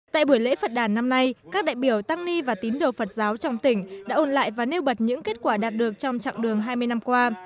tại buổi lễ phật đàn năm nay các đại biểu tăng ni và tín đồ phật giáo trong tỉnh đã ôn lại và nêu bật những kết quả đạt được trong chặng đường hai mươi năm qua